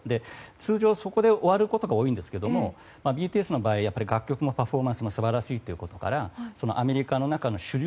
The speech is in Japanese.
通常は、そこで終わることが多いんですけれどもＢＴＳの場合楽曲もパフォーマンスも素晴らしいということからアメリカの中の主流